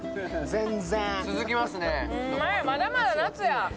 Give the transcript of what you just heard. まだまだ夏や。